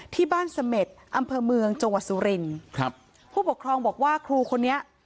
ที่บ้านเสม็ดอำเภอเมืองจังหวัดสุรินครับผู้ปกครองบอกว่าครูคนนี้